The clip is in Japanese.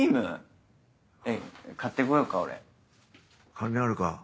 金あるか？